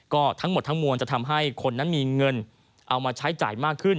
ก็ทั้งหมดทั้งมวลจะทำให้คนนั้นมีเงินเอามาใช้จ่ายมากขึ้น